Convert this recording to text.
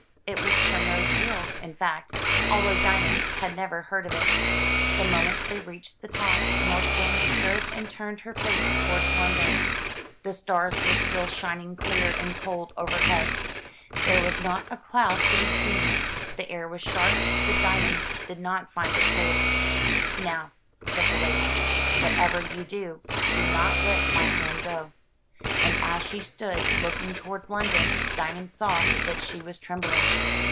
It was Primrose Hill, in fact, although Diamond had never heard of it. The moment they reached the top, North Wind stood and turned her face towards London. The stars were still shin 428 THROUGH FAIRY HALLS ing clear and cold overhead. There was not a cloud to be seen. The air was sharp, but Diamond did not find it cold. "Now," said the lady, "whatever you do, do not let my hand go." And as she stood looking towards London, Diamond saw that she was trembling.